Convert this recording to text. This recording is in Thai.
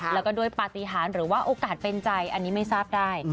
แล้วก็ด้วยปฏิหารหรือว่าโอกาสเป็นใจอันนี้ไม่ทราบได้